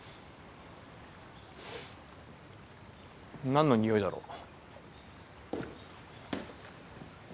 何のにおいだろう？